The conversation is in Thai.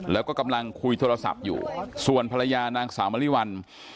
แล้วก็กำลังคุยโทรศัพท์อยู่ส่วนภรรยานางสาวมริวัล